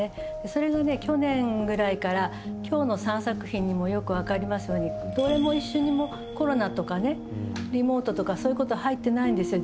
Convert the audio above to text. それが去年ぐらいから今日の３作品にもよく分かりますようにどれも一首にもコロナとかリモートとかそういうことは入ってないんですよ。